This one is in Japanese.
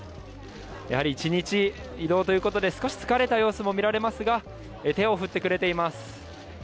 やはり１日移動ということで少し疲れた様子も見られますが手を振ってくれています。